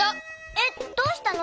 えっどうしたの？